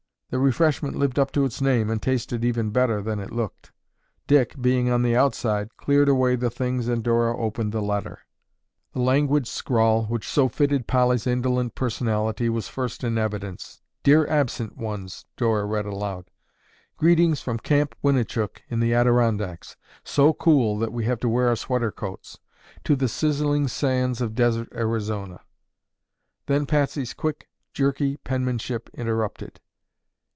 The refreshment lived up to its name and tasted even better than it looked. Dick, being on the outside, cleared away the things and Dora opened the letter. The languid scrawl which so fitted Polly's indolent personality was first in evidence, "Dear Absent Ones," Dora read aloud— "Greetings from Camp Winnichook in the Adirondacks—(so cool that we have to wear our sweater coats)—to the sizzling sands of desert Arizona." Then Patsy's quick, jerky penmanship interrupted.